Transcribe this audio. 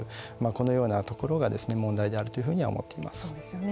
このようなところが問題であるというふうには思っています。